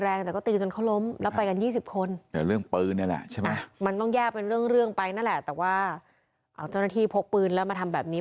แยกเป็นเรื่องเรื่องไปเอาเจ้าหน้าที่พกผืนแล้วมาทำแบบนี้